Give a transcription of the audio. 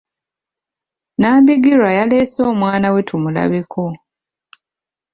Nambigirwa yaleese omwana we tumulabeko.